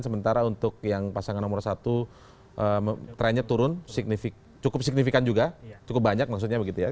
sementara untuk yang pasangan nomor satu trennya turun cukup signifikan juga cukup banyak maksudnya begitu ya